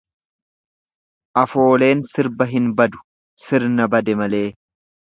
Afooleen sirba hin badu sirna bade malee.